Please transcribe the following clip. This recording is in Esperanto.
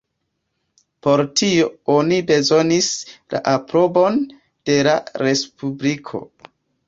Por tio oni bezonis la aprobon de la Respubliko.